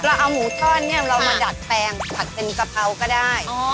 เราเอาหมูทอดเนี่ยเรามาดัดแปลงผัดเป็นกะเพราก็ได้